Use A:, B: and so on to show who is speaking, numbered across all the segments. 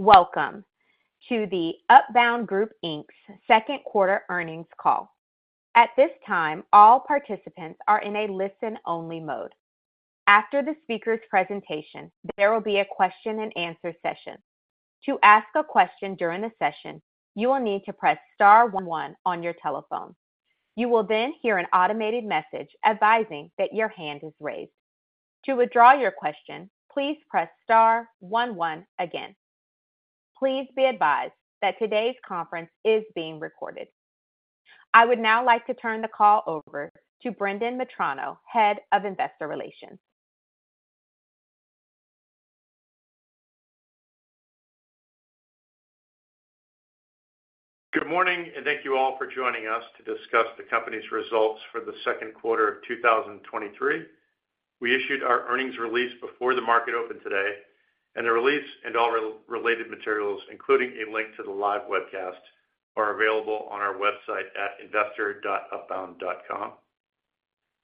A: Welcome to the Upbound Group Inc's Q2 earnings call. At this time, all participants are in a listen-only mode. After the speaker's presentation, there will be a question and answer session. To ask a question during the session, you will need to press star one one on your telephone. You will then hear an automated message advising that your hand is raised. To withdraw your question, please press star one one again. Please be advised that today's conference is being recorded. I would now like to turn the call over to Brendan Metrano, Head of Investor Relations.
B: Good morning, and thank you all for joining us to discuss the company's results for the Q2 of 2023. We issued our earnings release before the market opened today, and the release and all related materials, including a link to the live webcast, are available on our website at investor.upbound.com.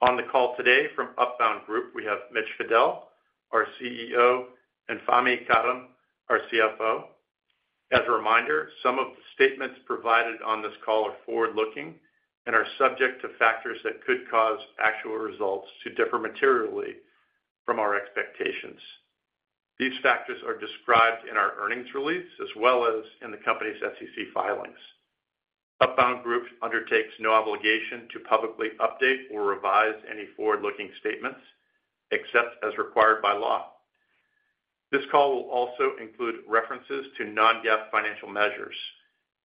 B: On the call today from Upbound Group, we have Mitch Fadel, our CEO, and Fahmi Karam, our CFO. As a reminder, some of the statements provided on this call are forward-looking and are subject to factors that could cause actual results to differ materially from our expectations. These factors are described in our earnings release as well as in the company's SEC filings. Upbound Group undertakes no obligation to publicly update or revise any forward-looking statements except as required by law. This call will also include references to non-GAAP financial measures,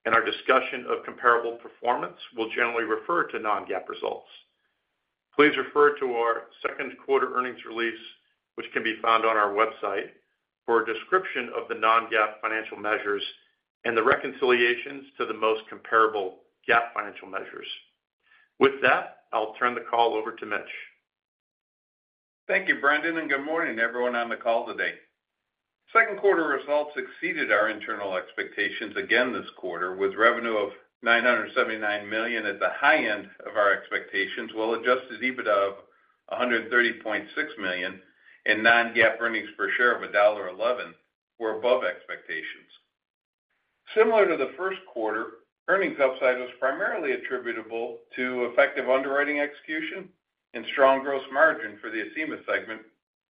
B: and our discussion of comparable performance will generally refer to non-GAAP results. Please refer to our Q2 earnings release, which can be found on our website, for a description of the non-GAAP financial measures and the reconciliations to the most comparable GAAP financial measures. With that, I'll turn the call over to Mitch.
C: Thank you, Brendan, and good morning, everyone on the call today. Q2 results exceeded our internal expectations again this quarter, with revenue of $979 million at the high end of our expectations, while adjusted EBITDA of $130.6 million and non-GAAP earnings per share of $1.11 were above expectations. Similar to the Q1, earnings upside was primarily attributable to effective underwriting execution and strong gross margin for the Acima segment,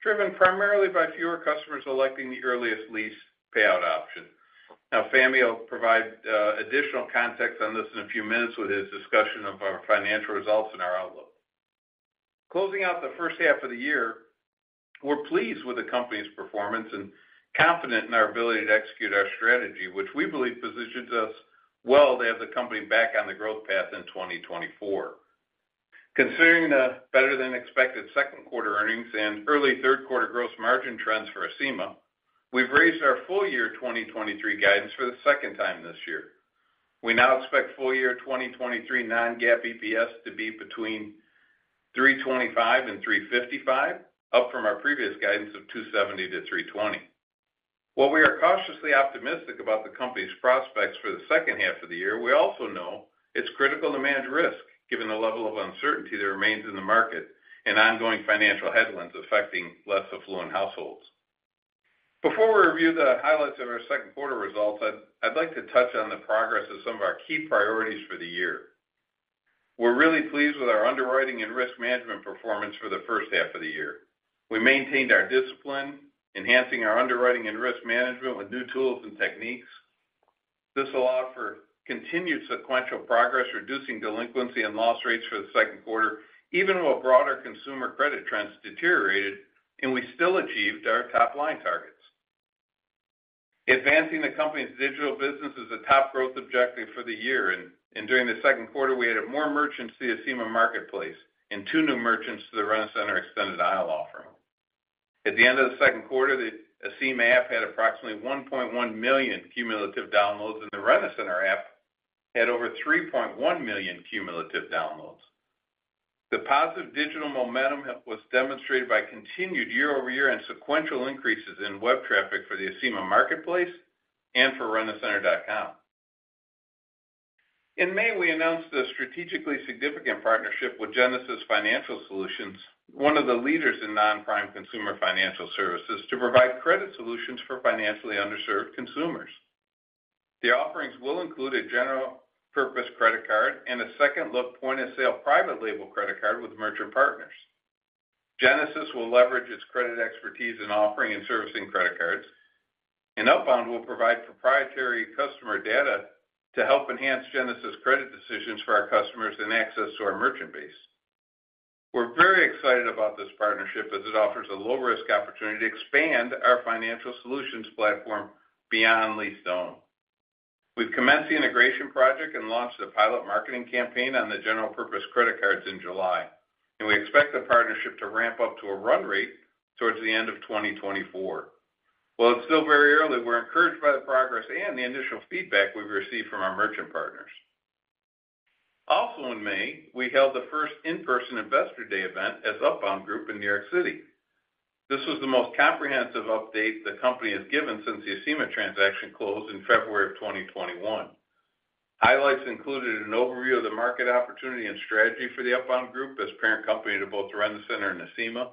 C: driven primarily by fewer customers electing the earliest lease payout option. Now, Fahmi will provide additional context on this in a few minutes with his discussion of our financial results and our outlook. Closing out the first half of the year, we're pleased with the company's performance and confident in our ability to execute our strategy, which we believe positions us well to have the company back on the growth path in 2024. Considering the better-than-expected Q2 earnings and early Q3 gross margin trends for Acima, we've raised our full year 2023 guidance for the second time this year. We now expect full year 2023 non-GAAP EPS to be between $3.25 and $3.55, up from our previous guidance of $2.70-$3.20. While we are cautiously optimistic about the company's prospects for the second half of the year, we also know it's critical to manage risk, given the level of uncertainty that remains in the market and ongoing financial headwinds affecting less affluent households. Before we review the highlights of our Q2 results, I'd like to touch on the progress of some of our key priorities for the year. We're really pleased with our underwriting and risk management performance for the first half of the year. We maintained our discipline, enhancing our underwriting and risk management with new tools and techniques. This allowed for continued sequential progress, reducing delinquency and loss rates for the Q2, even while broader consumer credit trends deteriorated, and we still achieved our top-line targets. Advancing the company's digital business is a top growth objective for the year, and during the Q2, we added more merchants to the Acima marketplace and two new merchants to the Rent-A-Center extended aisle offering. At the end of the Q2, the Acima app had approximately 1.1 million cumulative downloads, and the Rent-A-Center app had over 3.1 million cumulative downloads. The positive digital momentum was demonstrated by continued year-over-year and sequential increases in web traffic for the Acima marketplace and for rentacenter.com. In May, we announced a strategically significant partnership with Genesis Financial Solutions, one of the leaders in non-prime consumer financial services, to provide credit solutions for financially underserved consumers. The offerings will include a general-purpose credit card and a second-look point-of-sale private label credit card with merchant partners. Genesis will leverage its credit expertise in offering and servicing credit cards. Upbound will provide proprietary customer data to help enhance Genesis credit decisions for our customers and access to our merchant base. We're very excited about this partnership as it offers a low-risk opportunity to expand our financial solutions platform beyond lease own. We've commenced the integration project and launched a pilot marketing campaign on the general-purpose credit cards in July. We expect the partnership to ramp up to a run rate towards the end of 2024. While it's still very early, we're encouraged by the progress and the initial feedback we've received from our merchant partners. Also in May, we held the first in-person Investor Day event as Upbound Group in New York City. This was the most comprehensive update the company has given since the Acima transaction closed in February of 2021. Highlights included an overview of the market opportunity and strategy for the Upbound Group as parent company to both Rent-A-Center and Acima.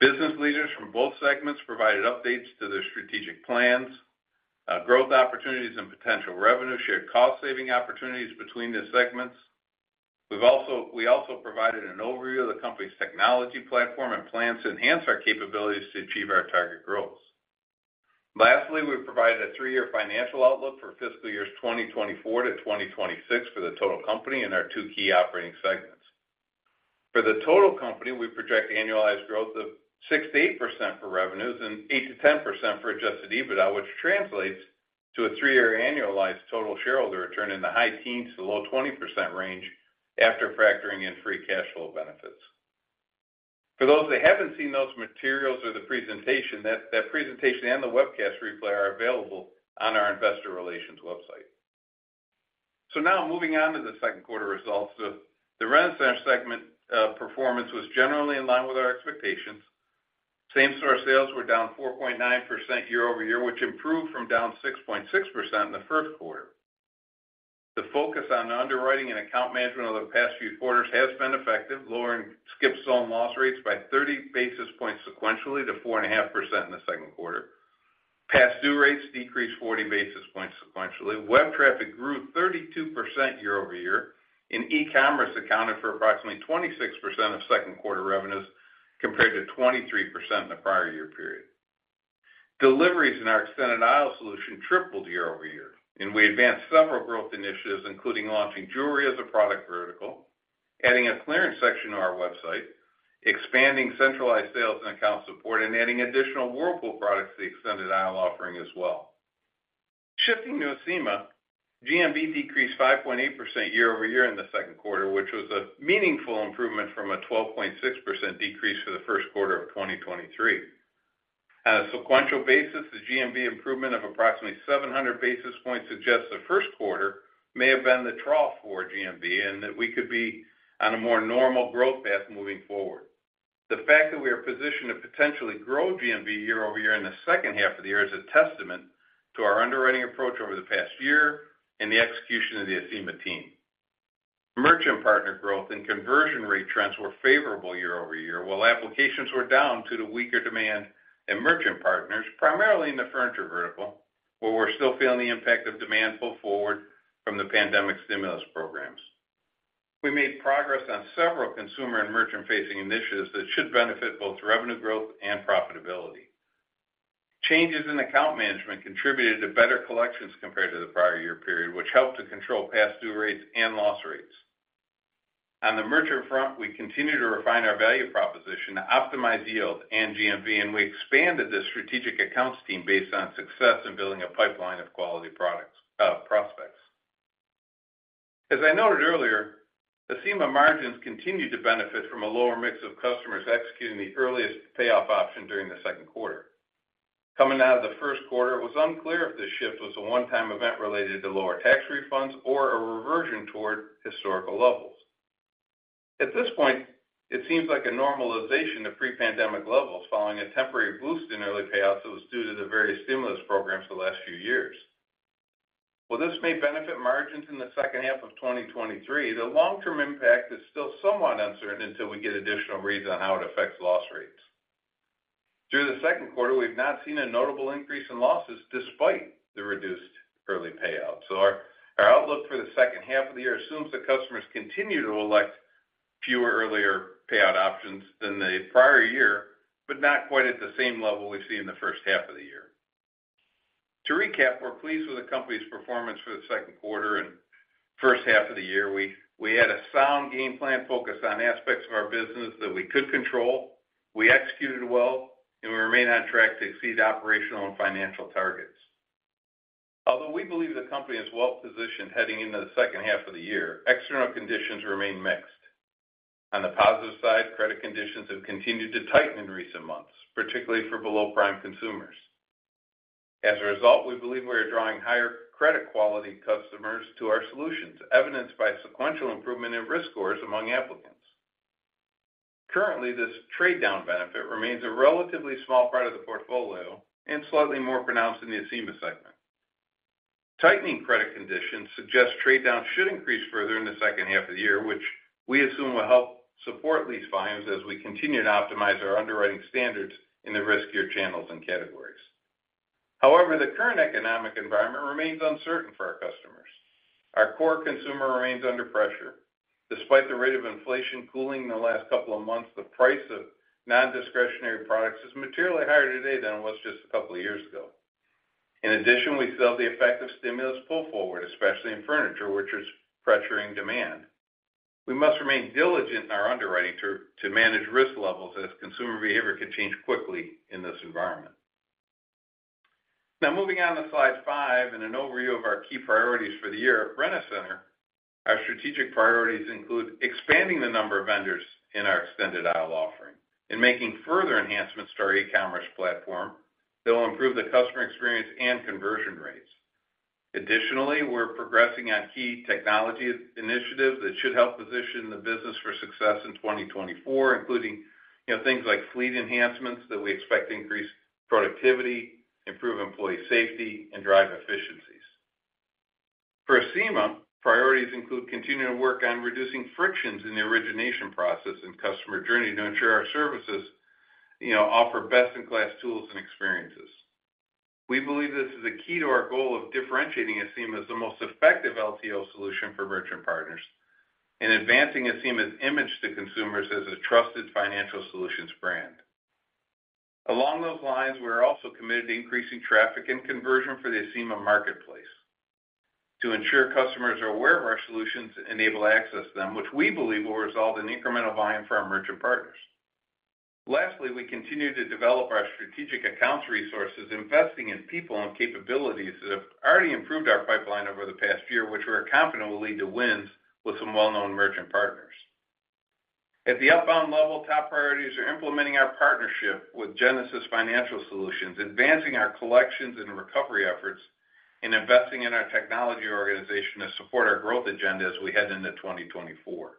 C: Business leaders from both segments provided updates to their strategic plans, growth opportunities, and potential revenue-shared cost-saving opportunities between the segments. We also provided an overview of the company's technology platform and plans to enhance our capabilities to achieve our target growth. Lastly, we provided a three-year financial outlook for fiscal years 2024 to 2026 for the total company and our two key operating segments. For the total company, we project annualized growth of 6%-8% for revenues and 8%-10% for adjusted EBITDA, which translates to a three-year annualized total shareholder return in the high teens to low 20% range after factoring in free cash flow benefits. For those that haven't seen those materials or the presentation, that presentation and the webcast replay are available on our Investor Relations website. Now moving on to the Q2 results. The Rent-A-Center segment performance was generally in line with our expectations. Same-store sales were down 4.9% year-over-year, which improved from down 6.6% in the Q1. The focus on underwriting and account management over the past few quarters has been effective, lowering skip/stolen loss rates by 30 basis points sequentially to 4.5% in the Q2. Past due rates decreased 40 basis points sequentially. Web traffic grew 32% year-over-year, and e-commerce accounted for approximately 26% of second-quarter revenues, compared to 23% in the prior year period. Deliveries in our extended aisle solution tripled year-over-year, and we advanced several growth initiatives, including launching jewelry as a product vertical, adding a clearance section to our website, expanding centralized sales and account support, and adding additional Whirlpool products to the extended aisle offering as well. Shifting to Acima, GMV decreased 5.8% year-over-year in the Q2, which was a meaningful improvement from a 12.6% decrease for the Q1 of 2023. On a sequential basis, the GMV improvement of approximately 700 basis points suggests the Q1 may have been the trough for GMV and that we could be on a more normal growth path moving forward. The fact that we are positioned to potentially grow GMV year-over-year in the second half of the year is a testament to our underwriting approach over the past year and the execution of the Acima team. Merchant partner growth and conversion rate trends were favorable year-over-year, while applications were down due to weaker demand and merchant partners, primarily in the furniture vertical, where we're still feeling the impact of demand pull forward from the pandemic stimulus programs. We made progress on several consumer and merchant-facing initiatives that should benefit both revenue growth and profitability. Changes in account management contributed to better collections compared to the prior year period, which helped to control past due rates and loss rates. On the merchant front, we continue to refine our value proposition to optimize yield and GMV, and we expanded the strategic accounts team based on success in building a pipeline of quality products, prospects. As I noted earlier, Acima margins continued to benefit from a lower mix of customers executing the earliest payoff option during the Q2. Coming out of the Q1, it was unclear if this shift was a one-time event related to lower tax refunds or a reversion toward historical levels. At this point, it seems like a normalization of pre-pandemic levels following a temporary boost in early payouts that was due to the various stimulus programs the last few years. While this may benefit margins in the second half of 2023, the long-term impact is still somewhat uncertain until we get additional reads on how it affects loss rates. Through the Q2, we've not seen a notable increase in losses despite the reduced early payouts. Our outlook for the second half of the year assumes that customers continue to elect fewer earlier payout options than the prior year, but not quite at the same level we've seen in the first half of the year. To recap, we're pleased with the company's performance for the Q2 and first half of the year. We had a sound game plan focused on aspects of our business that we could control. We executed well, and we remain on track to exceed operational and financial targets. Although we believe the company is well-positioned heading into the second half of the year, external conditions remain mixed. On the positive side, credit conditions have continued to tighten in recent months, particularly for below-prime consumers. As a result, we believe we are drawing higher credit quality customers to our solutions, evidenced by sequential improvement in risk scores among applicants. Currently, this trade-down benefit remains a relatively small part of the portfolio and slightly more pronounced in the Acima segment. Tightening credit conditions suggest trade-down should increase further in the second half of the year, which we assume will help support these volumes as we continue to optimize our underwriting standards in the riskier channels and categories. However, the current economic environment remains uncertain for our customers. Our core consumer remains under pressure. Despite the rate of inflation cooling in the last couple of months, the price of non-discretionary products is materially higher today than it was just a couple of years ago. In addition, we feel the effect of stimulus pull forward, especially in furniture, which is pressuring demand. We must remain diligent in our underwriting to manage risk levels, as consumer behavior can change quickly in this environment. Moving on to slide 5 and an overview of our key priorities for the year. Rent-A-Center, our strategic priorities include expanding the number of vendors in our Extended Aisle offering and making further enhancements to our e-commerce platform that will improve the customer experience and conversion rates. Additionally, we're progressing on key technology initiatives that should help position the business for success in 2024, including, you know, things like fleet enhancements that we expect to increase productivity, improve employee safety, and drive efficiencies. For Acima, priorities include continuing to work on reducing frictions in the origination process and customer journey to ensure our services, you know, offer best-in-class tools and experiences. We believe this is a key to our goal of differentiating Acima as the most effective LTO solution for merchant partners and advancing Acima's image to consumers as a trusted financial solutions brand. Along those lines, we're also committed to increasing traffic and conversion for the Acima marketplace, to ensure customers are aware of our solutions and able to access them, which we believe will result in incremental volume for our merchant partners. Lastly, we continue to develop our strategic accounts resources, investing in people and capabilities that have already improved our pipeline over the past year, which we're confident will lead to wins with some well-known merchant partners. At the Upbound level, top priorities are implementing our partnership with Genesis Financial Solutions, advancing our collections and recovery efforts, and investing in our technology organization to support our growth agenda as we head into 2024.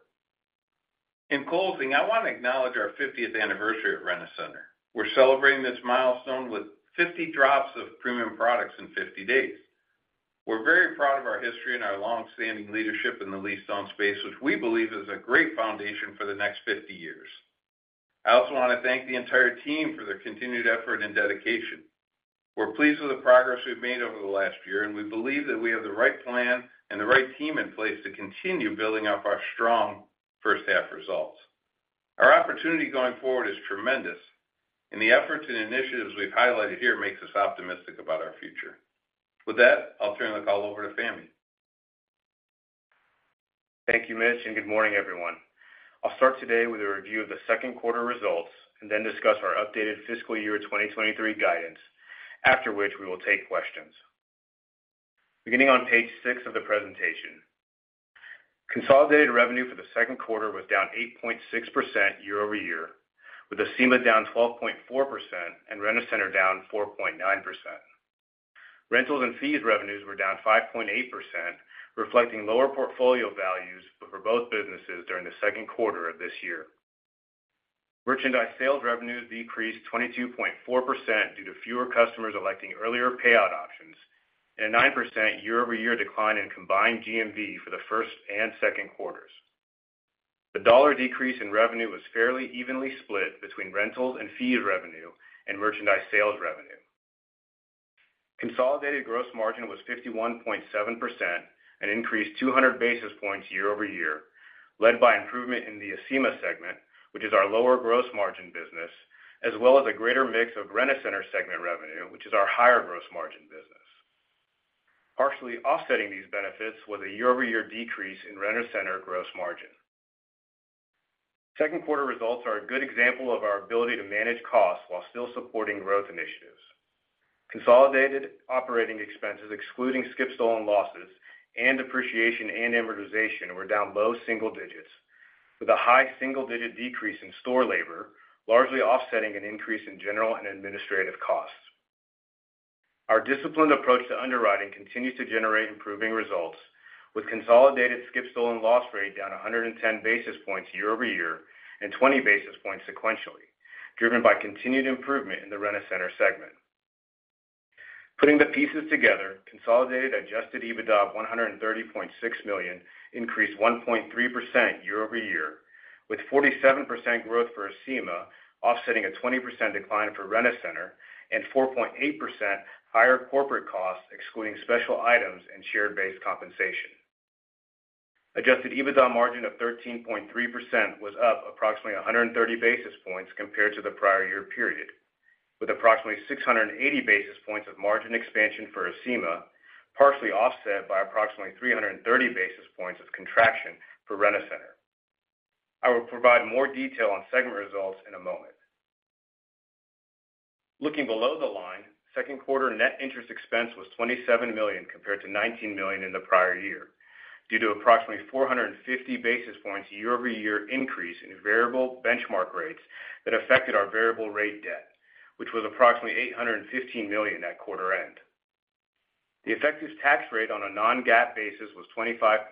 C: In closing, I want to acknowledge our 50th anniversary at Rent-A-Center. We're celebrating this milestone with 50 drops of premium products in 50 days. We're very proud of our history and our long-standing leadership in the lease-to-own space, which we believe is a great foundation for the next 50 years. I also want to thank the entire team for their continued effort and dedication. We're pleased with the progress we've made over the last year, and we believe that we have the right plan and the right team in place to continue building off our strong first half results. Our opportunity going forward is tremendous, and the efforts and initiatives we've highlighted here makes us optimistic about our future. With that, I'll turn the call over to Fahmi.
D: Thank you, Mitch, and good morning, everyone. I'll start today with a review of the Q2 results and then discuss our updated fiscal year 2023 guidance, after which we will take questions. Beginning on page 6 of the presentation. Consolidated revenue for the Q2 was down 8.6% year-over-year, with Acima down 12.4% and Rent-A-Center down 4.9%. Rentals and fees revenues were down 5.8%, reflecting lower portfolio values for both businesses during the Q2 of this year. Merchandise sales revenues decreased 22.4% due to fewer customers electing earlier payout options and a 9% year-over-year decline in combined GMV for the first and Q2s. The dollar decrease in revenue was fairly evenly split between rentals and fee revenue and merchandise sales revenue. Consolidated gross margin was 51.7% and increased 200 basis points year-over-year, led by improvement in the Acima segment, which is our lower gross margin business, as well as a greater mix of Rent-A-Center segment revenue, which is our higher gross margin business. Partially offsetting these benefits was a year-over-year decrease in Rent-A-Center gross margin. Q2 results are a good example of our ability to manage costs while still supporting growth initiatives. Consolidated operating expenses, excluding skip/stolen losses and depreciation and amortization, were down low single digits, with a high single-digit decrease in store labor, largely offsetting an increase in general and administrative costs. Our disciplined approach to underwriting continues to generate improving results, with consolidated skip/stolen loss rate down 110 basis points year-over-year and 20 basis points sequentially, driven by continued improvement in the Rent-A-Center segment. Putting the pieces together, consolidated adjusted EBITDA of $130.6 million increased 1.3% year-over-year, with 47% growth for Acima offsetting a 20% decline for Rent-A-Center and 4.8% higher corporate costs, excluding special items and share-based compensation. Adjusted EBITDA margin of 13.3% was up approximately 130 basis points compared to the prior year period, with approximately 680 basis points of margin expansion for Acima, partially offset by approximately 330 basis points of contraction for Rent-A-Center. I will provide more detail on segment results in a moment. Looking below the line, Q2 net interest expense was $27 million, compared to $19 million in the prior year, due to approximately 450 basis points year-over-year increase in variable benchmark rates that affected our variable rate debt, which was approximately $815 million at quarter end. The effective tax rate on a non-GAAP basis was 25.5%,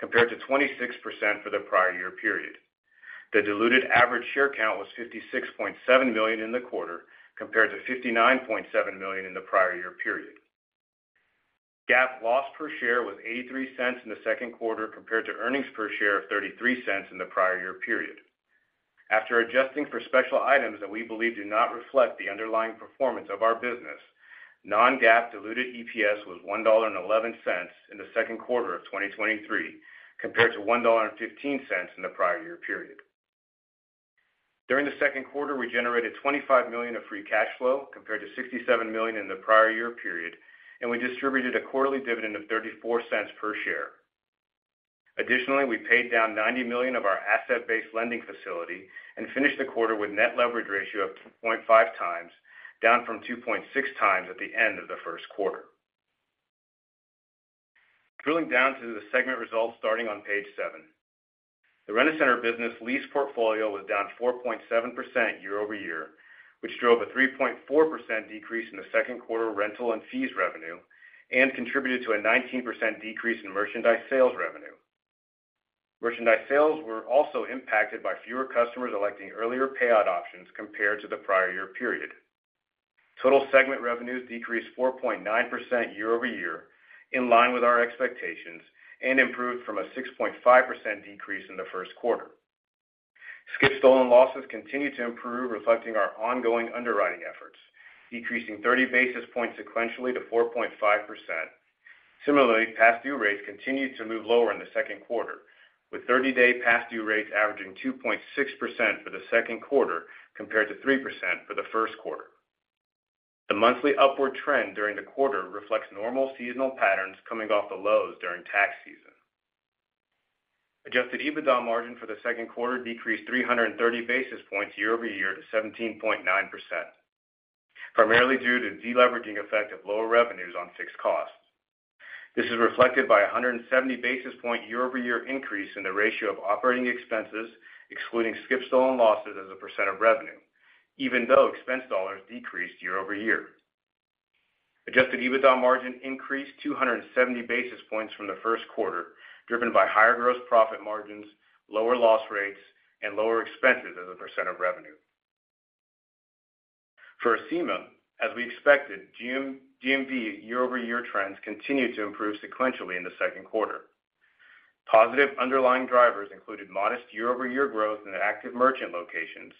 D: compared to 26% for the prior year period. The diluted average share count was 56.7 million in the quarter, compared to 59.7 million in the prior year period. GAAP loss per share was $0.83 in the Q2, compared to earnings per share of $0.33 in the prior year period. After adjusting for special items that we believe do not reflect the underlying performance of our business, non-GAAP diluted EPS was $1.11 in the Q2 of 2023, compared to $1.15 in the prior year period. During the Q2, we generated $25 million of free cash flow, compared to $67 million in the prior year period. We distributed a quarterly dividend of $0.34 per share. Additionally, we paid down $90 million of our asset-based lending facility and finished the quarter with net leverage ratio of 2.5x, down from 2.6x at the end of the Q1. Drilling down to the segment results starting on page seven. The Rent-A-center lease portfolio was down 4.7% year-over-year, which drove a 3.4% decrease in the Q2 rental and fees revenue and contributed to a 19% decrease in merchandise sales revenue. Merchandise sales were also impacted by fewer customers electing earlier payout options compared to the prior year period. Total segment revenues decreased 4.9% year-over-year, in line with our expectations, and improved from a 6.5% decrease in the Q1. Skip/stolen losses continued to improve, reflecting our ongoing underwriting efforts, decreasing 30 basis points sequentially to 4.5%. Similarly, past due rates continued to move lower in the Q2, with 30-day past due rates averaging 2.6% for the Q2, compared to 3% for the Q1. The monthly upward trend during the quarter reflects normal seasonal patterns coming off the lows during tax season. Adjusted EBITDA margin for the Q2 decreased 330 basis points year-over-year to 17.9%, primarily due to deleveraging effect of lower revenues on fixed costs. This is reflected by a 170 basis point year-over-year increase in the ratio of operating expenses, excluding skip/stolen losses as a % of revenue, even though expense dollars decreased year-over-year. Adjusted EBITDA margin increased 270 basis points from the Q1, driven by higher gross profit margins, lower loss rates, and lower expenses as a % of revenue. For Acima, as we expected, GMV year-over-year trends continued to improve sequentially in the Q2. Positive underlying drivers included modest year-over-year growth in active merchant locations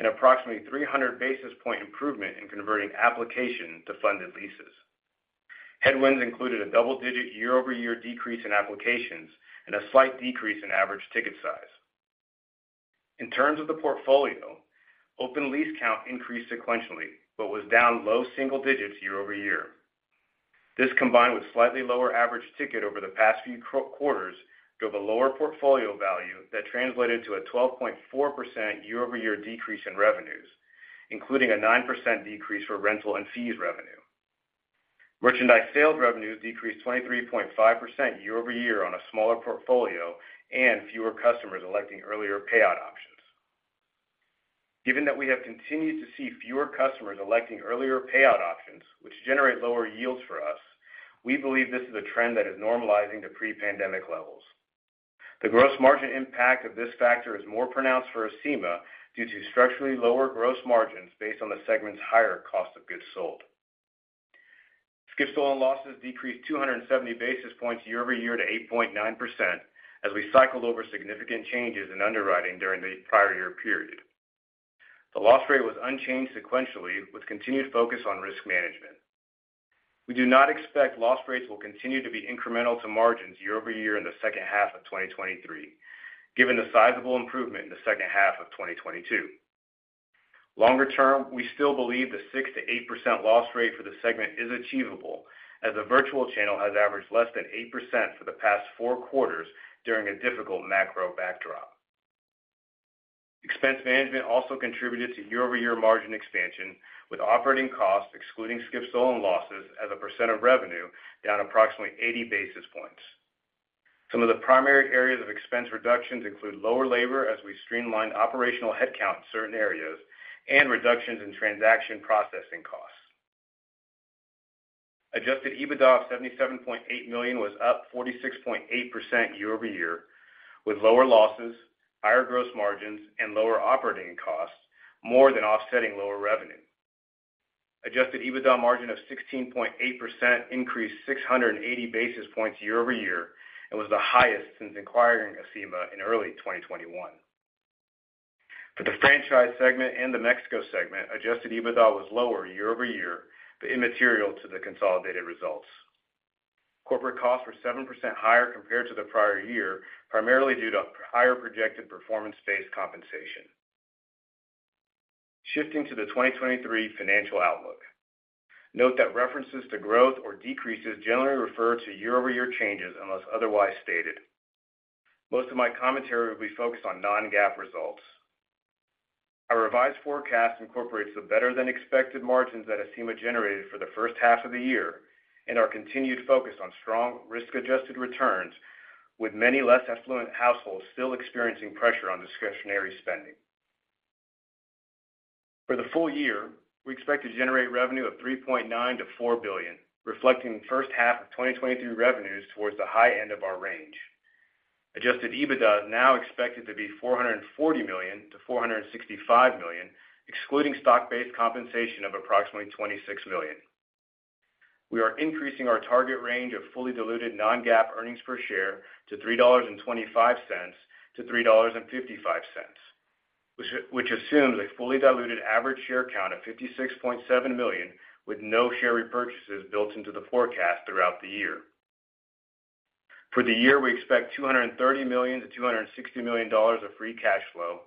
D: and approximately 300 basis point improvement in converting application to funded leases. Headwinds included a double-digit year-over-year decrease in applications and a slight decrease in average ticket size. In terms of the portfolio, open lease count increased sequentially, but was down low single digits year-over-year. This, combined with slightly lower average ticket over the past few quarters, drove a lower portfolio value that translated to a 12.4% year-over-year decrease in revenues, including a 9% decrease for rental and fees revenue. Merchandise sales revenue decreased 23.5% year-over-year on a smaller portfolio and fewer customers electing earlier payout options. Given that we have continued to see fewer customers electing earlier payout options, which generate lower yields for us, we believe this is a trend that is normalizing to pre-pandemic levels. The gross margin impact of this factor is more pronounced for Acima due to structurally lower gross margins based on the segment's higher cost of goods sold. Skip/stolen losses decreased 270 basis points year-over-year to 8.9%, as we cycled over significant changes in underwriting during the prior year period. The loss rate was unchanged sequentially, with continued focus on risk management. We do not expect loss rates will continue to be incremental to margins year-over-year in the second half of 2023, given the sizable improvement in the second half of 2022. Longer term, we still believe the 6%-8% loss rate for the segment is achievable, as the virtual channel has averaged less than 8% for the past 4 quarters during a difficult macro backdrop. Expense management also contributed to year-over-year margin expansion, with operating costs excluding skip/stolen losses as a % of revenue, down approximately 80 basis points. Some of the primary areas of expense reductions include lower labor, as we streamlined operational headcount in certain areas, and reductions in transaction processing costs. Adjusted EBITDA of $77.8 million was up 46.8% year-over-year, with lower losses, higher gross margins, and lower operating costs, more than offsetting lower revenue. Adjusted EBITDA margin of 16.8% increased 680 basis points year-over-year and was the highest since acquiring Acima in early 2021. For the franchise segment and the Mexico segment, adjusted EBITDA was lower year-over-year, but immaterial to the consolidated results. Corporate costs were 7% higher compared to the prior year, primarily due to higher projected performance-based compensation. Shifting to the 2023 financial outlook. Note that references to growth or decreases generally refer to year-over-year changes, unless otherwise stated. Most of my commentary will be focused on non-GAAP results. Our revised forecast incorporates the better-than-expected margins that Acima generated for the first half of the year and our continued focus on strong risk-adjusted returns, with many less affluent households still experiencing pressure on discretionary spending. For the full year, we expect to generate revenue of $3.9 billion-$4 billion, reflecting the first half of 2023 revenues towards the high end of our range. Adjusted EBITDA is now expected to be $440 million-$465 million, excluding stock-based compensation of approximately $26 million. We are increasing our target range of fully diluted non-GAAP earnings per share to $3.25-$3.55, which assumes a fully diluted average share count of 56.7 million, with no share repurchases built into the forecast throughout the year. For the year, we expect $230 million-$260 million of free cash flow,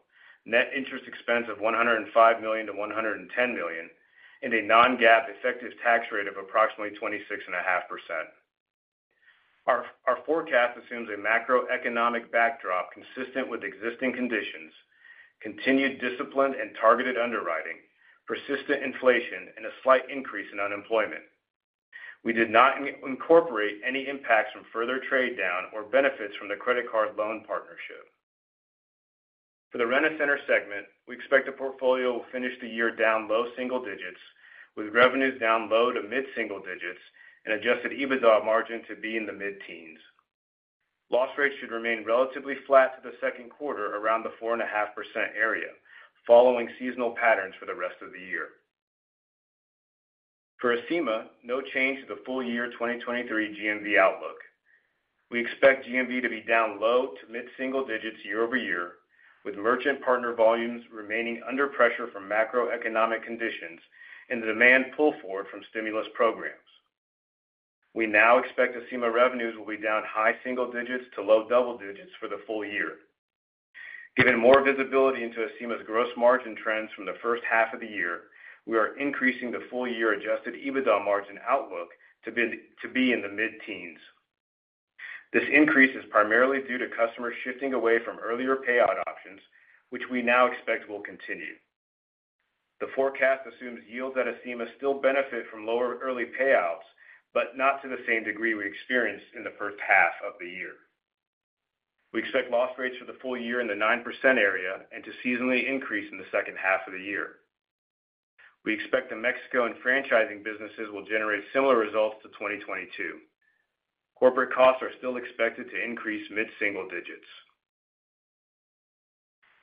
D: net interest expense of $105 million-$110 million, and a non-GAAP effective tax rate of approximately 26.5%. Our forecast assumes a macroeconomic backdrop consistent with existing conditions, continued disciplined and targeted underwriting, persistent inflation, and a slight increase in unemployment. We did not incorporate any impacts from further trade down or benefits from the credit card loan partnership. For the Rent-A-Center segment, we expect the portfolio will finish the year down low single digits, with revenues down low to mid-single digits and adjusted EBITDA margin to be in the mid-teens. Loss rates should remain relatively flat to the Q2, around the 4.5% area, following seasonal patterns for the rest of the year. For Acima, no change to the full year 2023 GMV outlook. We expect GMV to be down low to mid-single digits year-over-year, with merchant partner volumes remaining under pressure from macroeconomic conditions and the demand pull forward from stimulus programs. We now expect Acima revenues will be down high single digits to low double digits for the full year. Given more visibility into Acima's gross margin trends from the first half of the year, we are increasing the full year adjusted EBITDA margin outlook to be, to be in the mid-teens. This increase is primarily due to customers shifting away from earlier payout options, which we now expect will continue. The forecast assumes yields at Acima still benefit from lower early payouts, but not to the same degree we experienced in the first half of the year. We expect loss rates for the full year in the 9% area and to seasonally increase in the second half of the year. We expect the Mexico and franchising businesses will generate similar results to 2022. Corporate costs are still expected to increase mid-single digits.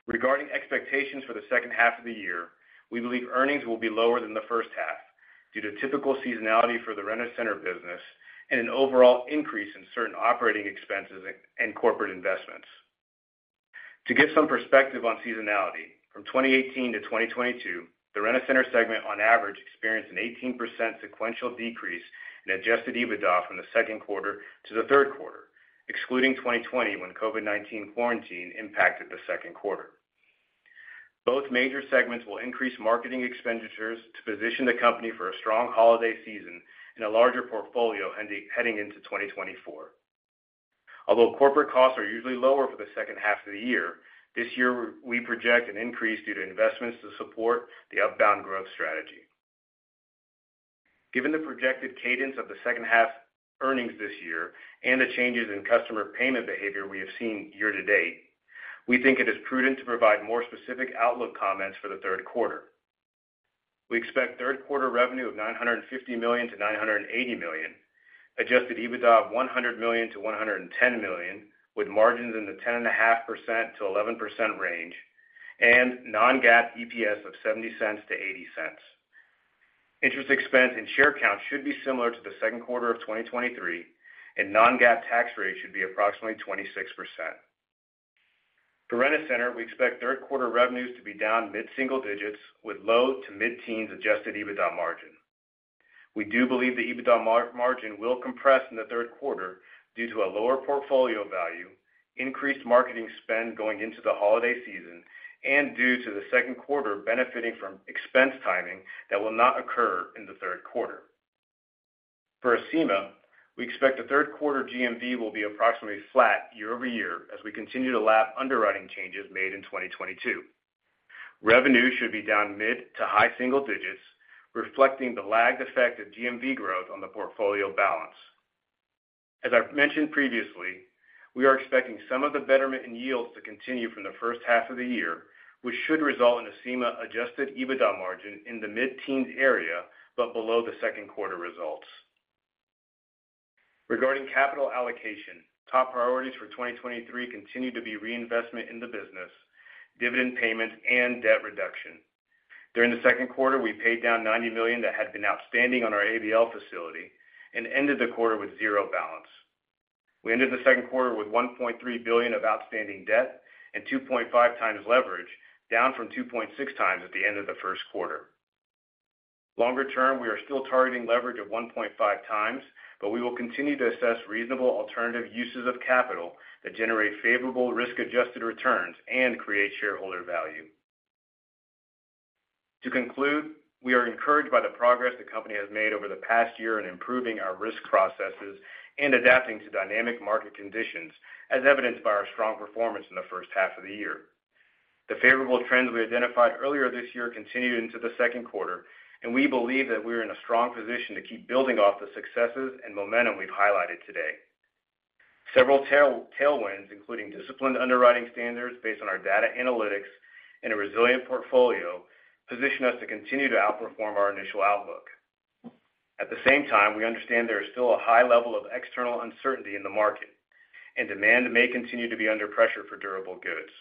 D: Regarding expectations for the second half of the year, we believe earnings will be lower than the first half due to typical seasonality for the Rent-A-Center business and an overall increase in certain operating expenses and corporate investments. To give some perspective on seasonality, from 2018 to 2022, the Rent-A-Center segment on average experienced an 18% sequential decrease in adjusted EBITDA from the Q2 to the Q3, excluding 2020, when COVID-19 quarantine impacted the Q2. Both major segments will increase marketing expenditures to position the company for a strong holiday season and a larger portfolio heading into 2024. Although corporate costs are usually lower for the second half of the year, this year we project an increase due to investments to support the Upbound growth strategy. Given the projected cadence of the second half earnings this year and the changes in customer payment behavior we have seen year to date, we think it is prudent to provide more specific outlook comments for the Q3. We expect Q3 revenue of $950 million-$980 million, adjusted EBITDA of $100 million-$110 million, with margins in the 10.5%-11% range, and non-GAAP EPS of $0.70-$0.80. Interest expense and share count should be similar to the Q2 of 2023, and non-GAAP tax rate should be approximately 26%. For Rent-A-Center, we expect Q3 revenues to be down mid-single digits with low to mid-teens adjusted EBITDA margin. We do believe the EBITDA margin will compress in the Q3 due to a lower portfolio value, increased marketing spend going into the holiday season, and due to the Q2 benefiting from expense timing that will not occur in the Q3. For Acima, we expect the Q3 GMV will be approximately flat year-over-year as we continue to lap underwriting changes made in 2022. Revenue should be down mid- to high single digits, reflecting the lagged effect of GMV growth on the portfolio balance. As I've mentioned previously, we are expecting some of the betterment in yields to continue from the first half of the year, which should result in Acima adjusted EBITDA margin in the mid-teens area, but below the Q2 results. Regarding capital allocation, top priorities for 2023 continue to be reinvestment in the business, dividend payments, and debt reduction. During the Q2, we paid down $90 million that had been outstanding on our ABL facility and ended the quarter with zero balance. We ended the Q2 with $1.3 billion of outstanding debt and 2.5x leverage, down from 2.6x at the end of the Q1. Longer term, we are still targeting leverage of 1.5x, but we will continue to assess reasonable alternative uses of capital that generate favorable risk-adjusted returns and create shareholder value. To conclude, we are encouraged by the progress the company has made over the past year in improving our risk processes and adapting to dynamic market conditions, as evidenced by our strong performance in the first half of the year. The favorable trends we identified earlier this year continued into the Q2, and we believe that we are in a strong position to keep building off the successes and momentum we've highlighted today. Several tailwinds, including disciplined underwriting standards based on our data analytics and a resilient portfolio, position us to continue to outperform our initial outlook. At the same time, we understand there is still a high level of external uncertainty in the market, and demand may continue to be under pressure for durable goods.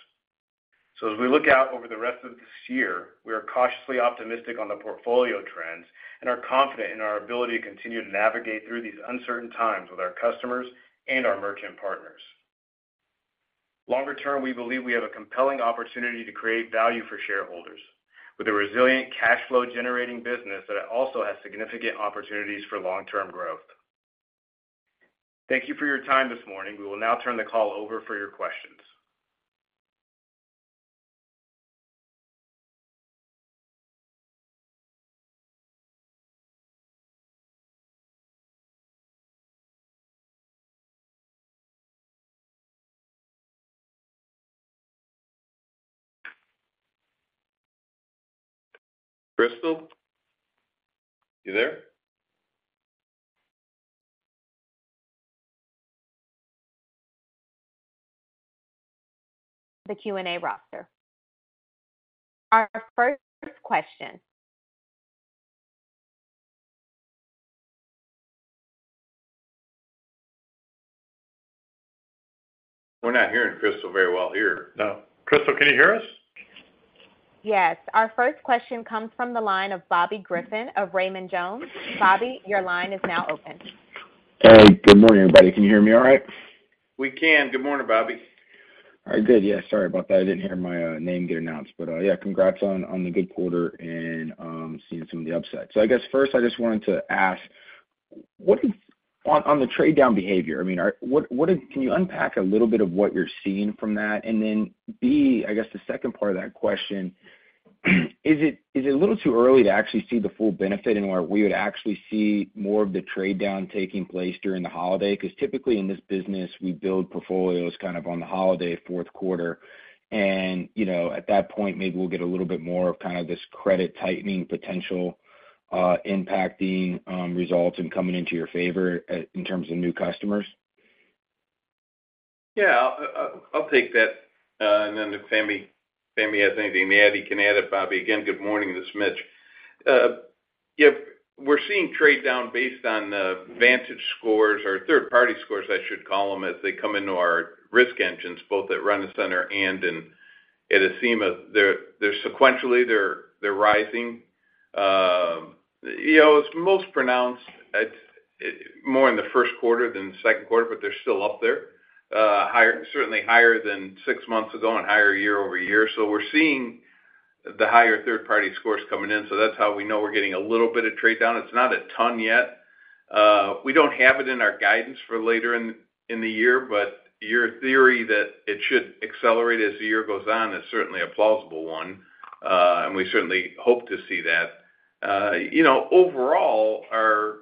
D: As we look out over the rest of this year, we are cautiously optimistic on the portfolio trends and are confident in our ability to continue to navigate through these uncertain times with our customers and our merchant partners. Longer term, we believe we have a compelling opportunity to create value for shareholders with a resilient cash flow generating business that also has significant opportunities for long-term growth. Thank you for your time this morning. We will now turn the call over for your questions. Crystal, you there?
A: The Q&A roster. Our first question.
C: We're not hearing Crystal very well here.
D: No.
C: Crystal, can you hear us?
A: Yes. Our first question comes from the line of Bobby Griffin of Raymond James. Bobby, your line is now open.
E: Good morning, everybody. Can you hear me all right?
C: We can. Good morning, Bobby.
E: All right, good. Yeah, sorry about that. I didn't hear my name get announced, but, yeah, congrats on the good quarter and seeing some of the upside. I guess first I just wanted to ask, on the trade-down behavior, I mean, can you unpack a little bit of what you're seeing from that? Then B, I guess the second part of that question, is it a little too early to actually see the full benefit, and where we would actually see more of the trade down taking place during the holiday? Because typically in this business, we build portfolios kind of on the holiday Q4. You know, at that point, maybe we'll get a little bit more of kind of this credit tightening potential impacting results and coming into your favor in terms of new customers.
C: Yeah. I, I, I'll take that, and then if Fahmi, Fahmi has anything to add, he can add it. Bobby, again, good morning. This is Mitch. Yeah, we're seeing trade down based on the VantageScores or third-party scores, I should call them, as they come into our risk engines, both at Rent-A-center and in, at Acima. They're, they're sequentially, they're, they're rising. You know, it's most pronounced at, more in the Q1 than the Q2, but they're still up there, higher, certainly higher than 6 months ago and higher year-over-year. We're seeing the higher third-party scores coming in, so that's how we know we're getting a little bit of trade down. It's not a ton yet. We don't have it in our guidance for later in, in the year, but your theory that it should accelerate as the year goes on is certainly a plausible one, and we certainly hope to see that. You know, overall, our,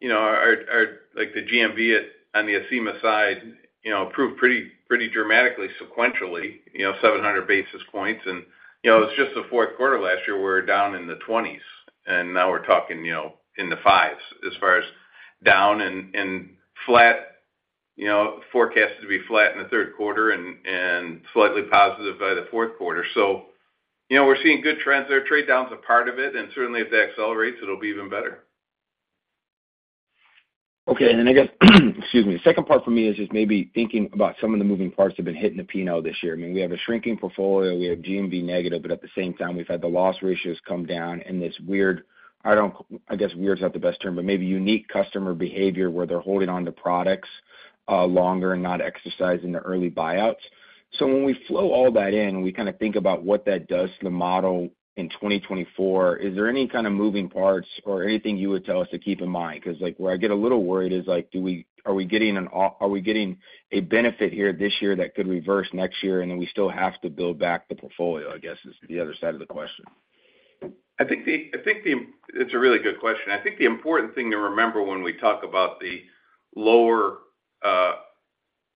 C: you know, our, our like, the GMV on the Acima side, you know, improved pretty, pretty dramatically sequentially, you know, 700 basis points. You know, it's just the Q4 last year, we were down in the 20s, and now we're talking, you know, in the 5s as far as down and, and flat, you know, forecasted to be flat in the Q3 and, and slightly positive by the Q4. You know, we're seeing good trends there. Trade down's a part of it, and certainly if that accelerates, it'll be even better.
E: Okay. I guess, excuse me, the second part for me is just maybe thinking about some of the moving parts that have been hitting the P&L this year. I mean, we have a shrinking portfolio, we have GMV negative, but at the same time, we've had the loss ratios come down, and this weird, I don't-- I guess weird is not the best term, but maybe unique customer behavior, where they're holding on to products, longer and not exercising the early buyouts. When we flow all that in, and we kinda think about what that does to the model in 2024, is there any kind of moving parts or anything you would tell us to keep in mind? Like, where I get a little worried is, like, are we getting a benefit here this year that could reverse next year, and then we still have to build back the portfolio, I guess, is the other side of the question?
C: I think the... It's a really good question. I think the important thing to remember when we talk about the lower,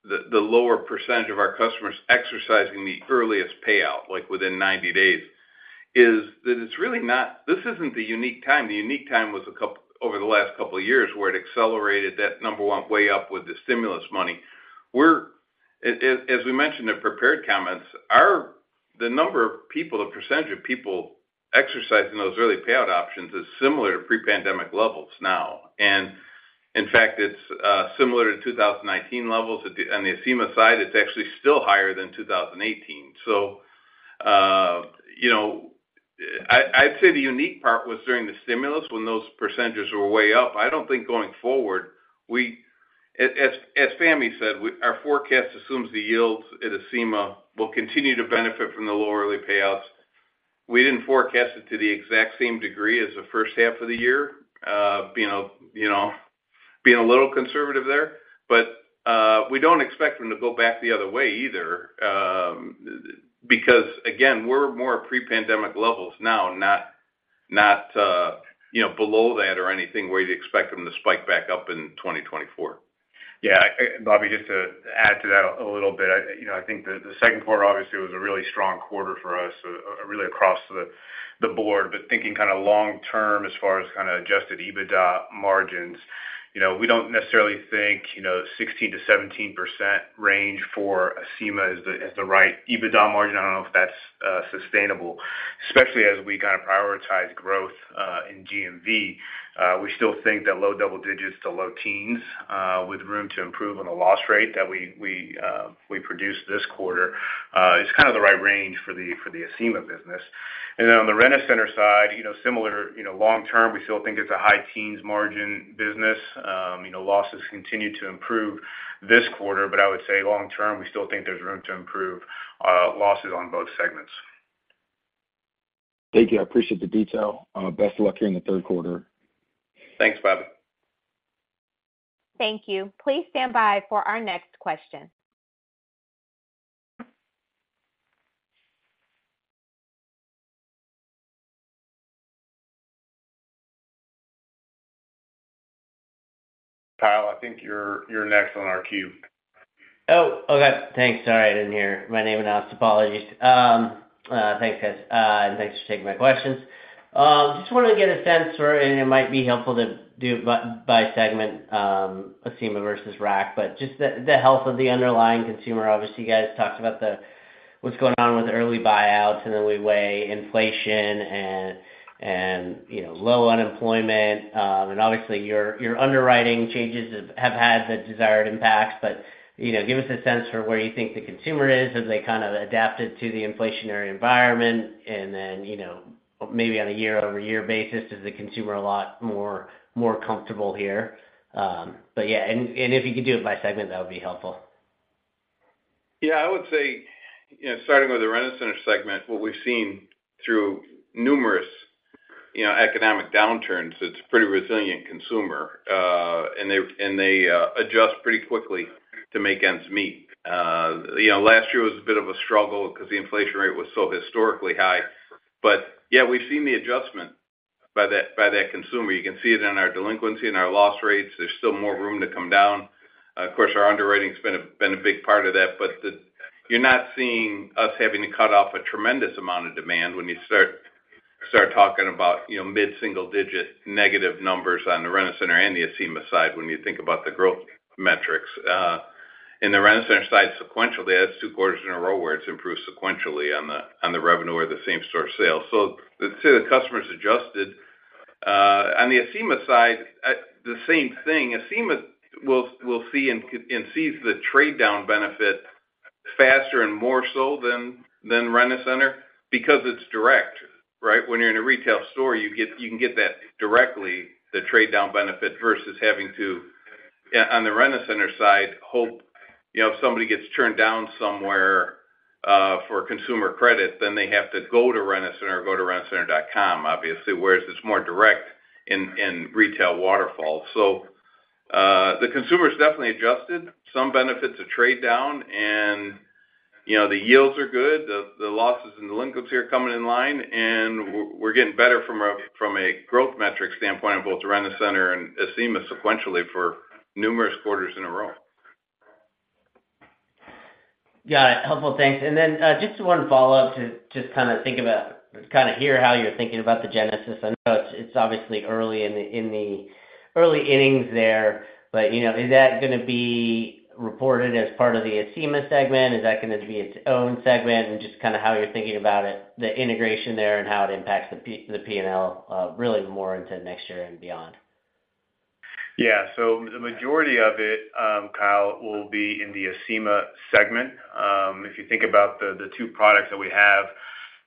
C: the lower percentage of our customers exercising the earliest payout, like within 90 days, is that it's really not this isn't the unique time. The unique time was a couple over the last couple of years, where it accelerated that number one way up with the stimulus money. We're, as we mentioned in prepared comments, our the number of people, the percentage of people exercising those early payout options is similar to pre-pandemic levels now, and in fact, it's similar to 2019 levels. On the Acima side, it's actually still higher than 2018. You know, I'd say the unique part was during the stimulus when those percentages were way up. I don't think going forward, we As Fahmi said, we, our forecast assumes the yields at Acima will continue to benefit from the lower early payouts. We didn't forecast it to the exact same degree as the first half of the year, being, you know, being a little conservative there, but we don't expect them to go back the other way either, because, again, we're more pre-pandemic levels now, not, not, you know, below that or anything, where you'd expect them to spike back up in 2024.
D: Yeah, Bobby, just to add to that a little bit. You know, I think the, the Q2 obviously was a really strong quarter for us, really across the, the board, but thinking kind of long term as far as kind of adjusted EBITDA margins, you know, we don't necessarily think, you know, 16%-17% range for Acima is the, is the right EBITDA margin. I don't know if that's sustainable, especially as we kind of prioritize growth in GMV. We still think that low double digits to low teens, with room to improve on the loss rate that we, we, we produced this quarter, is kind of the right range for the, for the Acima business. On the Rent-A-Center side, you know, similar, you know, long term, we still think it's a high teens margin business. you know, losses continue to improve this quarter, but I would say long term, we still think there's room to improve, losses on both segments.
E: Thank you. I appreciate the detail. Best of luck in the Q3.
D: Thanks, Bobby.
A: Thank you. Please stand by for our next question.
C: Kyle, I think you're, you're next on our queue.
F: Oh, okay. Thanks. Sorry, I didn't hear my name announced. Apologies. Thanks, guys, and thanks for taking my questions. Just wanted to get a sense, or and it might be helpful to do by segment, Acima versus Rack, but just the health of the underlying consumer. Obviously, you guys talked about what's going on with early buyouts, then we weigh inflation and, you know, low unemployment. Obviously, your underwriting changes have had the desired impacts. You know, give us a sense for where you think the consumer is. Have they kind of adapted to the inflationary environment? Then, you know, maybe on a year-over-year basis, is the consumer a lot more comfortable here? Yeah, and if you could do it by segment, that would be helpful.
C: Yeah, I would say, you know, starting with the Rent-A-Center segment, what we've seen through numerous, you know, economic downturns, it's a pretty resilient consumer, and they, and they, adjust pretty quickly to make ends meet. You know, last year was a bit of a struggle because the inflation rate was so historically high. Yeah, we've seen the adjustment by that, by that consumer. You can see it in our delinquency and our loss rates. There's still more room to come down. Of course, our underwriting's been a, been a big part of that. You're not seeing us having to cut off a tremendous amount of demand when you start, start talking about, you know, mid-single digit negative numbers on Rent-A-Center and the Acima side, when you think about the growth metrics. In the Rent-A-center side, sequentially, that's two quarters in a row where it's improved sequentially on the, on the revenue or the same store sales. I'd say the customer's adjusted. On the Acima side, the same thing. Acima will, will see and sees the trade-down benefit faster and more so than, than Rent-A-Center because it's direct, right? When you're in a retail store, you can get that directly, the trade-down benefit, versus having to, on the Rent-A-Center side, hope, you know, if somebody gets turned down somewhere, for consumer credit, then they have to go to Rent-A-Center or go to rentacenter.com, obviously, whereas it's more direct in, in retail waterfall. The consumer's definitely adjusted. Some benefit to trade down, and, you know, the yields are good. The losses and delinquents here are coming in line, and we're getting better from a growth metric standpoint on Rent-A-Center and Acima sequentially for numerous quarters in a row.
F: Got it. Helpful. Thanks. Then, just one follow-up to just kind of hear how you're thinking about the Genesis. I know it's, it's obviously early in the, in the early innings there, but, you know, is that gonna be reported as part of the Acima segment? Is that going to be its own segment? Just kind of how you're thinking about it, the integration there, and how it impacts the P&L, really more into next year and beyond.
C: Yeah. The majority of it, Kyle, will be in the Acima segment. If you think about the two products that we have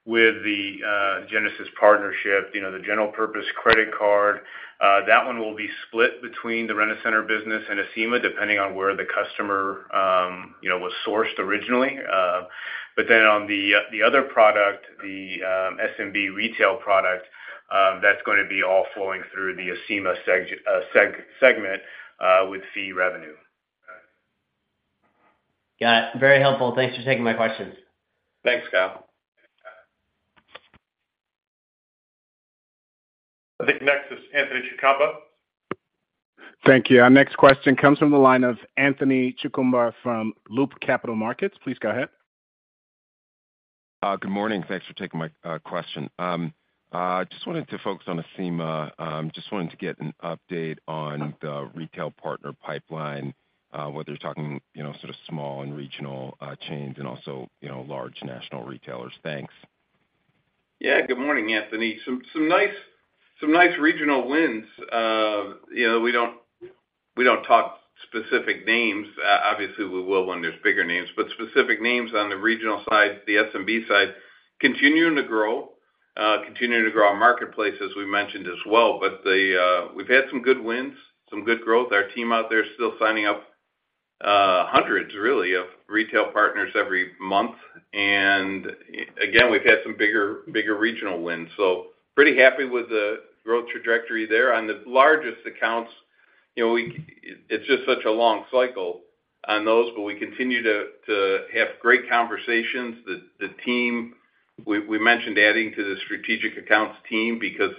C: with the Genesis partnership, you know, the general purpose credit card, that one will be split between Rent-A-Center business and Acima, depending on where the customer, you know, was sourced originally. Then on the other product, the SMB retail product, that's gonna be all flowing through the Acima segment, with fee revenue.
F: Got it. Very helpful. Thanks for taking my questions.
C: Thanks, Kyle.
D: I think next is Anthony Chukumba.
B: Thank you. Our next question comes from the line of Anthony Chukumba from Loop Capital Markets. Please go ahead.
G: Good morning. Thanks for taking my question. Just wanted to focus on Acima. Just wanted to get an update on the retail partner pipeline, whether you're talking, you know, sort of small and regional chains and also, you know, large national retailers. Thanks. Yeah, good morning, Anthony. Some nice, some nice regional wins. You know, we don't, we don't talk specific names. Obviously, we will when there's bigger names, specific names on the regional side, the SMB side, continuing to grow. Continuing to grow our marketplace, as we mentioned as well. We've had some good wins, some good growth. Our team out there is still signing up, hundreds, really, of retail partners every month. Again, we've had some bigger, bigger regional wins, pretty happy with the growth trajectory there.
C: On the largest accounts, you know, it's just such a long cycle on those, but we continue to have great conversations. The team, we mentioned adding to the strategic accounts team because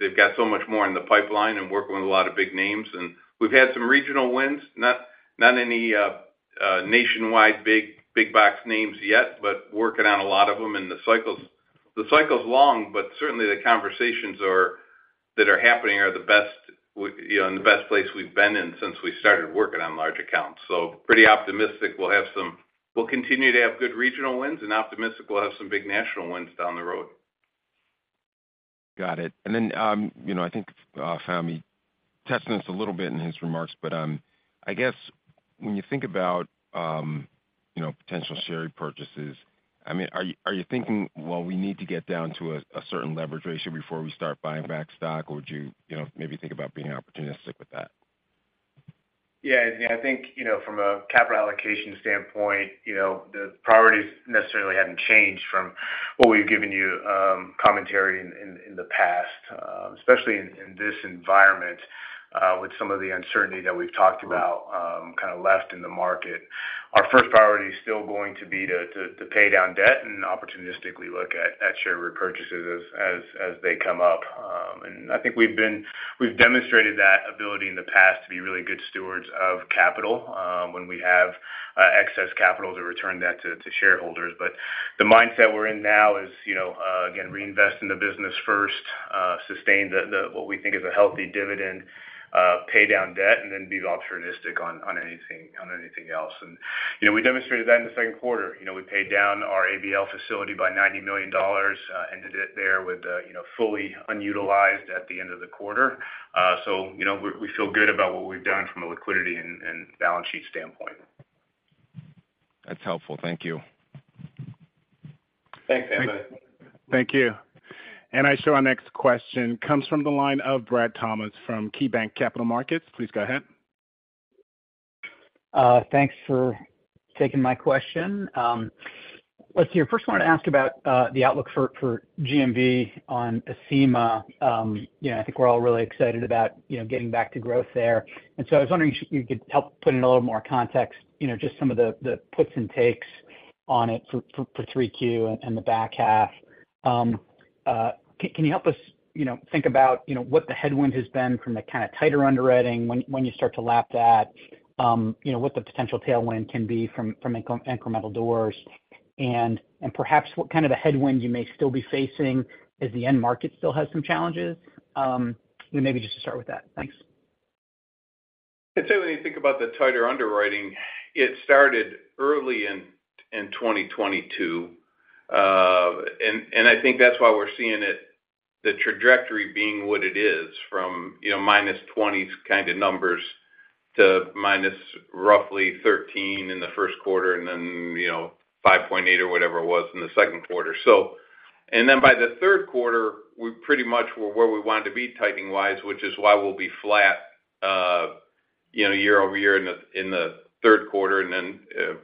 C: they've got so much more in the pipeline and working with a lot of big names. And we've had some regional wins, not, not any nationwide, big, big box names yet, but working on a lot of them in the cycles. The cycle's long, but certainly the conversations that are happening are the best, you know, in the best place we've been in since we started working on large accounts. So pretty optimistic we'll have some, we'll continue to have good regional wins and optimistic we'll have some big national wins down the road.
G: Got it. Then, you know, I think Fahmi touched on this a little bit in his remarks, but, I guess when you think about, you know, potential share purchases, I mean, are, are you thinking, "Well, we need to get down to a certain leverage ratio before we start buying back stock?" Or would you, you know, maybe think about being opportunistic with that?
D: Yeah, I think, you know, from a capital allocation standpoint, you know, the priorities necessarily haven't changed from what we've given you, commentary in, in, in the past, especially in, in this environment, with some of the uncertainty that we've talked about, kind of left in the market. Our first priority- ...still going to be to pay down debt and opportunistically look at share repurchases as they come up. I think we've demonstrated that ability in the past to be really good stewards of capital, when we have excess capital to return that to shareholders. The mindset we're in now is, you know, again, reinvest in the business first, sustain the, what we think is a healthy dividend, pay down debt, and then be opportunistic on anything, on anything else. You know, we demonstrated that in the Q2. You know, we paid down our ABL facility by $90 million, ended it there with, you know, fully unutilized at the end of the quarter. You know, we, we feel good about what we've done from a liquidity and, and balance sheet standpoint.
G: That's helpful. Thank you.
D: Thanks.
B: Thank you. I show our next question comes from the line of Brad Thomas from KeyBanc Capital Markets. Please go ahead.
H: Thanks for taking my question. Let's see, first, I wanna ask about the outlook for GMV on Acima. You know, I think we're all really excited about, you know, getting back to growth there. I was wondering if you could help put in a little more context, you know, just some of the puts and takes on it for 3Q and the back half. Can you help us, you know, think about, you know, what the headwind has been from the kind of tighter underwriting, when you start to lap that, you know, what the potential tailwind can be from incremental doors, and perhaps what kind of a headwind you may still be facing as the end market still has some challenges? Maybe just to start with that. Thanks.
C: I'd say when you think about the tighter underwriting, it started early in 2022, and I think that's why we're seeing it, the trajectory being what it is from, you know, minus 20 kind of numbers to minus roughly 13 in the Q1, and then, you know, 5.8 or whatever it was in the Q2. And then by the Q3, we pretty much were where we wanted to be, tightening-wise, which is why we'll be flat, you know, year-over-year in the Q3, and then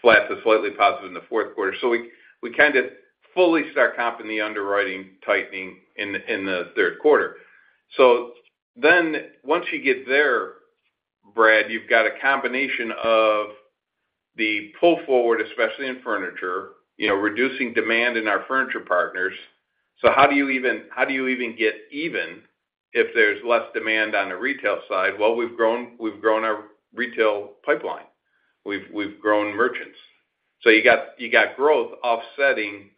C: flat to slightly positive in the Q4. We, we kind of fully start comping the underwriting tightening in the Q3. Then once you get there, Brad, you've got a combination of the pull forward, especially in furniture, you know, reducing demand in our furniture partners. How do you even, how do you even get even if there's less demand on the retail side? Well, we've grown, we've grown our retail pipeline. We've, we've grown merchants. You got, you got growth offsetting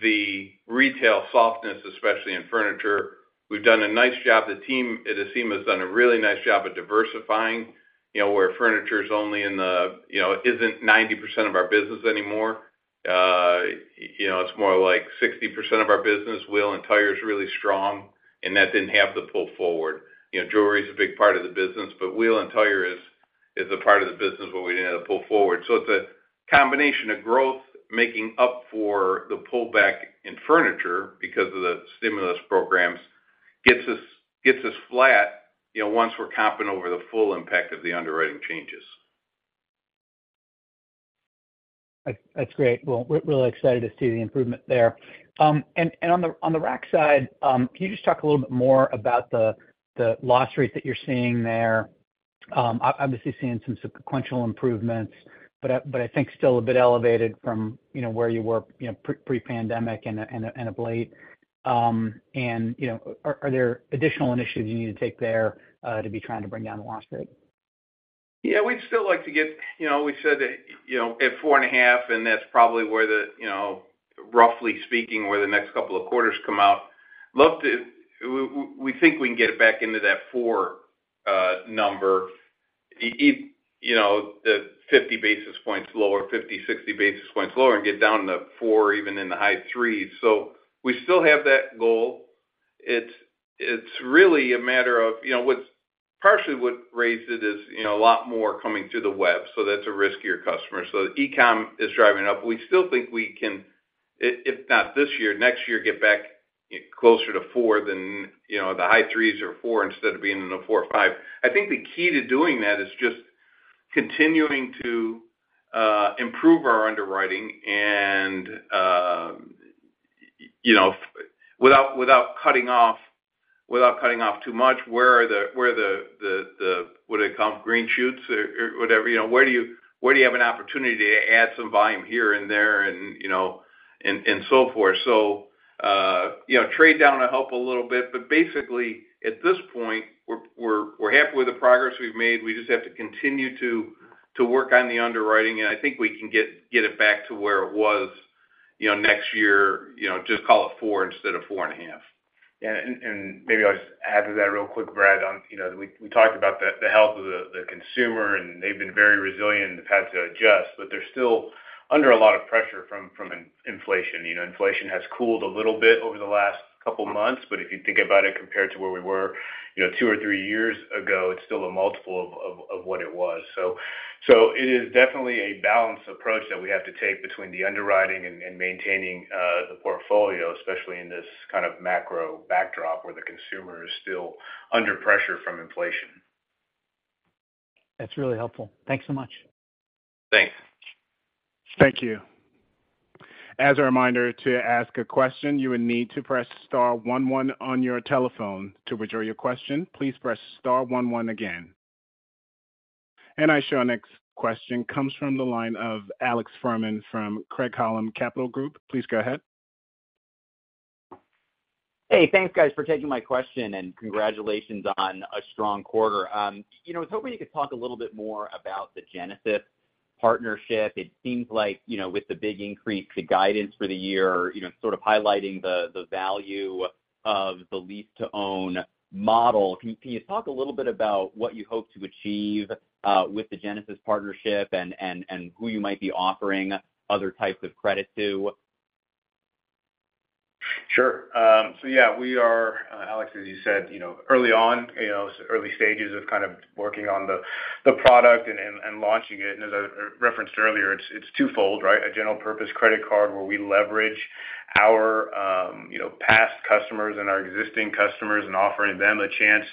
C: the retail softness, especially in furniture. We've done a nice job. The team at Acima has done a really nice job at diversifying, you know, where furniture is only in the, you know, it isn't 90% of our business anymore. You know, it's more like 60% of our business. Wheel and tire is really strong, and that didn't have the pull forward. You know, jewelry is a big part of the business, but wheel and tire is, is a part of the business where we didn't have the pull forward. It's a combination of growth making up for the pullback in furniture because of the stimulus programs, gets us, gets us flat, you know, once we're comping over the full impact of the underwriting changes.
H: That's, that's great. Well, we're really excited to see the improvement there. On Rent-A-Center side, can you just talk a little bit more about the loss rates that you're seeing there? Obviously seeing some sequential improvements, but I think still a bit elevated from, you know, where you were, you know, pre-pandemic and a, and a blade. You know, are there additional initiatives you need to take there to be trying to bring down the loss rate?
C: Yeah, we'd still like to get. You know, we said that, you know, at four and a half, and that's probably where the, you know, roughly speaking, where the next couple of quarters come out. Love to. We, we, we think we can get it back into that four number. It, you know, the 50 basis points lower, 50, 60 basis points lower and get down to four, even in the high threes. We still have that goal. It's, it's really a matter of, you know, what's partially what raised it is, you know, a lot more coming to the web, so that's a riskier customer. e-commerce is driving up. We still think we can, if not this year, next year, get back closer to four than, you know, the high threes or four instead of being in a four or five. I think the key to doing that is just continuing to improve our underwriting and, you know, without, without cutting off, without cutting off too much, where are the, where the, the, the, what do they call them? Green shoots or, or whatever, you know, where do you, where do you have an opportunity to add some volume here and there and, you know, and, and so forth? You know, trade down will help a little bit, but basically, at this point, we're, we're, we're happy with the progress we've made. We just have to continue to work on the underwriting, and I think we can get, get it back to where it was, you know, next year, you know, just call it four instead of four and a half.
D: Yeah, maybe I'll just add to that real quick, Brad, on, you know, we talked about the health of the consumer, and they've been very resilient and have had to adjust, but they're still under a lot of pressure from inflation. You know, inflation has cooled a little bit over the last couple of months, but if you think about it, compared to where we were, you know, two or three years ago, it's still a multiple of what it was. It is definitely a balanced approach that we have to take between the underwriting and maintaining the portfolio, especially in this kind of macro backdrop, where the consumer is still under pressure from inflation.
H: That's really helpful. Thanks so much.
C: Thanks.
B: Thank you.... As a reminder, to ask a question, you will need to press star one one on your telephone. To withdraw your question, please press star one one again. I show our next question comes from the line of Alex Fuhrman from Craig-Hallum Capital Group. Please go ahead.
I: Hey, thanks, guys, for taking my question, and congratulations on a strong quarter. You know, I was hoping you could talk a little bit more about the Genesis partnership. It seems like, you know, with the big increase, the guidance for the year, you know, sort of highlighting the value of the lease-to-own model. Can you talk a little bit about what you hope to achieve with the Genesis partnership and who you might be offering other types of credit to?
C: Sure. So yeah, we are, Alex, as you said, you know, early on, you know, early stages of kind of working on the product and launching it. As I referenced earlier, it's twofold, right? A general purpose credit card, where we leverage our, you know, past customers and our existing customers and offering them a chance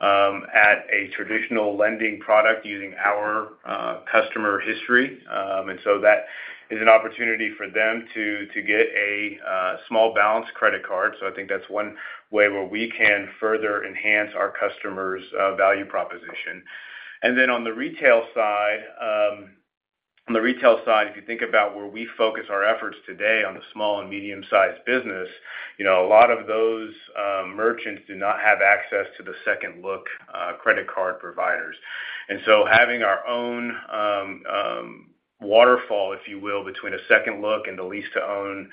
C: at a traditional lending product using our customer history. That is an opportunity for them to get a small balance credit card. I think that's one way where we can further enhance our customers, value proposition. On the retail side, on the retail side, if you think about where we focus our efforts today on the small and medium-sized business, you know, a lot of those merchants do not have access to the second look credit card providers. Having our own waterfall, if you will, between a second look and the lease-to-own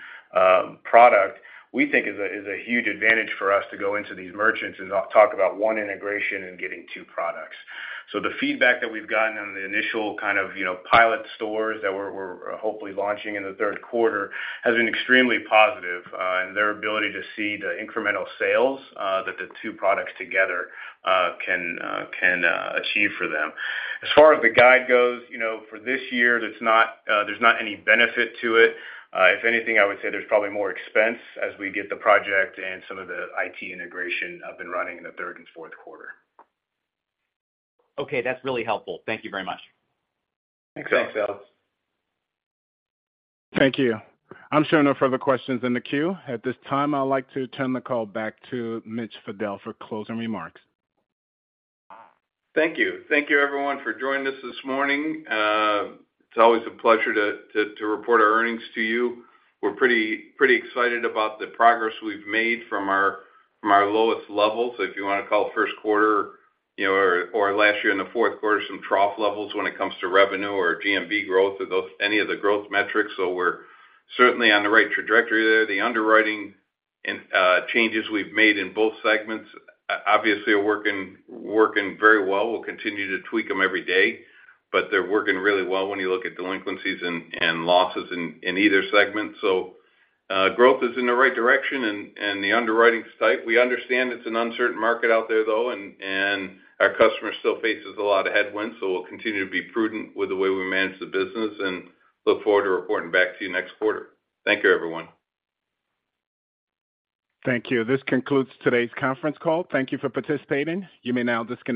C: product, we think is a, is a huge advantage for us to go into these merchants and not talk about one integration and getting two products. The feedback that we've gotten on the initial kind of, you know, pilot stores that we're, we're hopefully launching in the Q3, has been extremely positive in their ability to see the incremental sales that the two products together can, can achieve for them. As far as the guide goes, you know, for this year, there's not any benefit to it. If anything, I would say there's probably more expense as we get the project and some of the IT integration up and running in the third and Q4.
I: Okay, that's really helpful. Thank you very much.
C: Thanks, Alex.
A: Thank you. I'm showing no further questions in the queue. At this time, I'd like to turn the call back to Mitch Fadel for closing remarks.
C: Thank you. Thank you, everyone, for joining us this morning. It's always a pleasure to report our earnings to you. We're pretty excited about the progress we've made from our, from our lowest level. So if you want to call Q1, you know, or last year in the Q4, some trough levels when it comes to revenue or GMV growth or any of the growth metrics. We're certainly on the right trajectory there. The underwriting and changes we've made in both segments, obviously, are working very well. We'll continue to tweak them every day, but they're working really well when you look at delinquencies and losses in either segment. Growth is in the right direction and the underwriting is tight. We understand it's an uncertain market out there, though, and our customer still faces a lot of headwinds. We'll continue to be prudent with the way we manage the business and look forward to reporting back to you next quarter. Thank you, everyone.
A: Thank you. This concludes today's conference call. Thank you for participating. You may now disconnect.